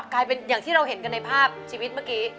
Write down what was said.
กลายเป็นอย่างที่เราเห็นกันในภาพชีวิตเมื่อกี้